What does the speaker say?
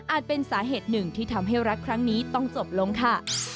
เป็นสาเหตุหนึ่งที่ทำให้รักครั้งนี้ต้องจบลงค่ะ